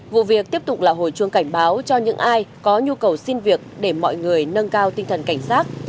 vụ việc tiếp tục là hồi chuông cảnh báo cho những ai có nhu cầu xin việc để mọi người nâng cao tinh thần cảnh giác